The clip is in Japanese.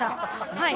はい。